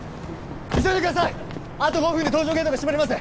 急いでくださいあと５分で搭乗ゲートが閉まります